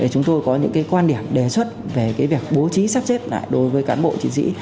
chúng tôi có những quan điểm đề xuất về việc bố trí sắp xếp lại đối với cán bộ chiến sĩ